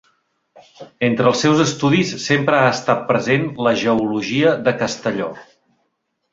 Entre els seus estudis sempre ha estat present la geologia de Castelló.